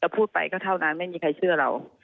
พูดไปก็เท่านั้นไม่มีใครเชื่อเรา